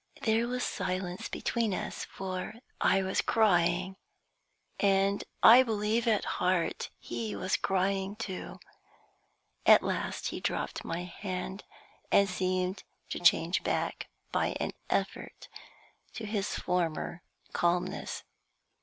There was silence between us, for I was crying, and I believe, at heart, he was crying too. At last he dropped my hand, and seemed to change back, by an effort, to his former calmness.